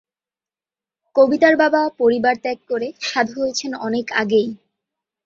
কবিতার বাবা পরিবার ত্যাগ করে সাধু হয়েছেন অনেক আগেই।